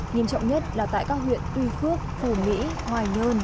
nhiên trọng nhất là tại các huyện tuy phước phổ mỹ hoài nhơn